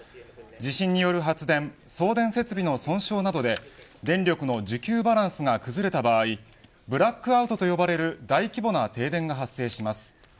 地震による発電送電設備の損傷などで電力の需給バランスが崩れた場合ブラックアウトと呼ばれる大規模な停電が発生します。